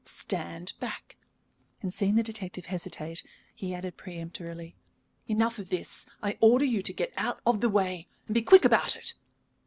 Stand back;" and seeing the detective hesitate, he added peremptorily: "Enough of this. I order you to get out of the way. And be quick about it!"